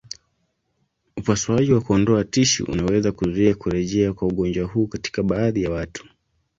Upasuaji wa kuondoa tishu unaweza kuzuia kurejea kwa ugonjwa huu katika baadhi ya watu.